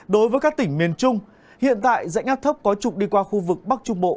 đối với các tỉnh miền trung hiện tại dãnh áp thấp có trục đi qua khu vực bắc trung bộ